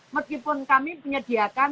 meskipun kami menyediakan